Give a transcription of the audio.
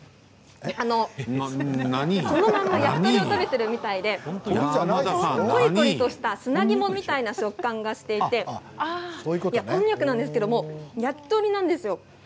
あのそのまま焼き鳥を食べてるみたいでコリコリとした砂肝みたいな食感がしていてこんにゃくなんですけれども焼き鳥なんですよ。